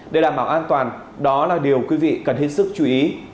để đảm bảo an toàn đó là điều quý vị cần hết sức chú ý